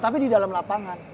tapi di dalam lapangan